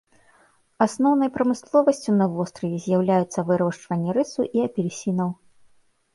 Асноўнай прамысловасцю на востраве з'яўляюцца вырошчванне рысу і апельсінаў.